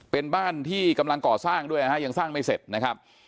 เป็นบ้านที่กำลังก่อสร้างด้วยนะฮะยังสร้างไม่เสร็จนะครับ